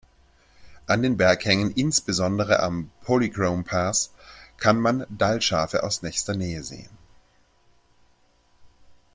An den Berghängen, insbesondere am "Polychrome Pass", kann man Dall-Schafe aus nächster Nähe sehen.